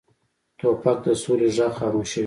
توپک د سولې غږ خاموشوي.